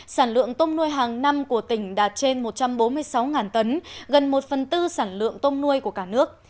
sản lượng tôm nuôi hàng năm của tỉnh đạt trên một trăm bốn mươi sáu tấn gần một phần tư sản lượng tôm nuôi của cả nước